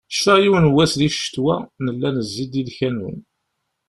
Cfiɣ yiwen n wass di ccetwa, nella nezzi-d i lkanun.